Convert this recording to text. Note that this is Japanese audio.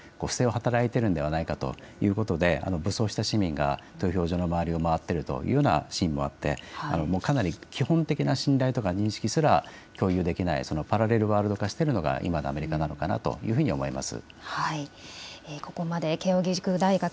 選挙管理人や票を数える機械そのものが何か不正、相手陣営が不正を働いているんではないかということで武装した市民が投票所の周りを回っているというようなシーンもあってかなり基本的な信頼、認識すら共有できない、パラレルワールド化しているのが今のアメリカなのかなというふうに思います。